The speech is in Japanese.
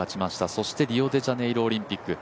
そしてリオデジャネイロオリンピック。